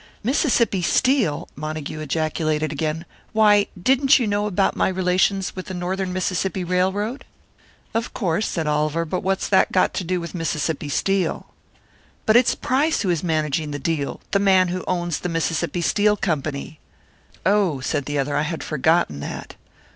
"Mississippi Steel!" Montague ejaculated again. "Why, didn't you know about my relations with the Northern Mississippi Railroad?" "Of course," said Oliver; "but what's that got to do with Mississippi Steel?" "But it's Price who is managing the deal the man who owns the Mississippi Steel Company!" "Oh," said the other, "I had forgotten that."